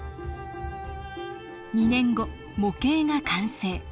２年後模型が完成。